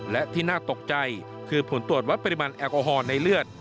และที่น่าตกใจคือผลตรวจวัดปริมาณแอลกอฮอล์ในเลือด